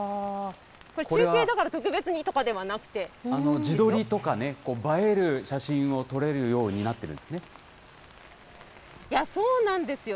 これ、中継だから特別にとかでは自撮りとかね、映える写真を撮れるようになってるんですね。